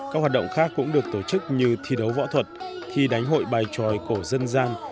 các hoạt động khác cũng được tổ chức như thi đấu võ thuật thi đánh hội bài tròi cổ dân gian